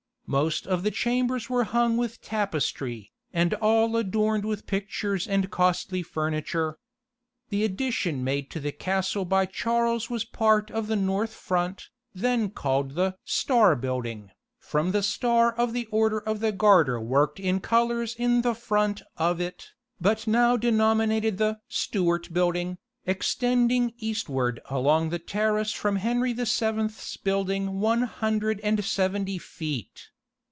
Most of the chambers were hung with tapestry, and all adorned with pictures and costly furniture. The addition made to the castle by Charles was the part of the north front, then called the "Star Building," from the star of the Order of the Garter worked in colours in the front of it, but now denominated the "Stuart Building," extending eastward along the terrace from Henry the Seventh's building one hundred and seventy feet.